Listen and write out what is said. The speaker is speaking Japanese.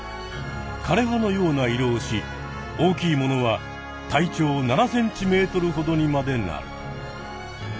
かれ葉のような色をし大きいものは体長７ｃｍほどにまでなる。